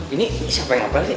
ini siapa yang apa sih